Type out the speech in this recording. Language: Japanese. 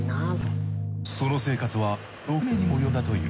その生活は６年にも及んだという。